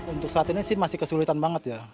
untuk saat ini sih masih kesulitan banget ya